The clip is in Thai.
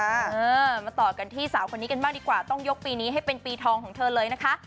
เออมาต่อกันที่สาวคนนี้กันบ้างดีกว่าต้องยกปีนี้ให้เป็นปีทองของเธอเลยนะคะ